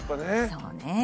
そうね。